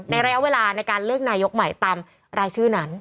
ระยะเวลาในการเลือกนายกใหม่ตามรายชื่อนั้น